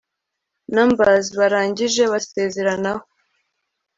numberz barangije basezeranaho